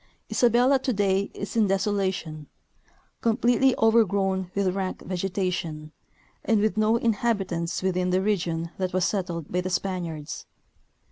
Isabelki today is in desolation, completely over grown with rank vegetation, and with no inhabitants within the region that was settled by the Spaniards.